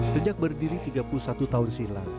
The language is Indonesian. sejak berdiri tiga puluh satu tahun silam